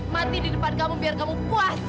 mati di depan kamu biar kamu bisa hidup lagi zak